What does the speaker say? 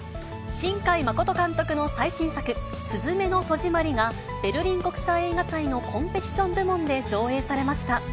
新海誠監督の最新作、すずめの戸締まりが、ベルリン国際映画祭のコンペティション部門で上映されました。